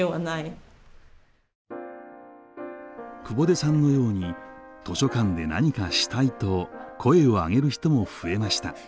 久保出さんのように図書館で何かしたいと声をあげる人も増えました。